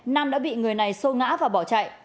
nam đã bị người này xô ngã và bỏ chạy